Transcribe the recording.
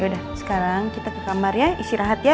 yaudah sekarang kita ke kamarnya isi rahat ya